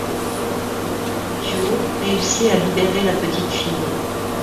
Jo réussit à libérer la petite fille.